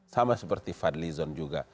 sama seperti fadlizon juga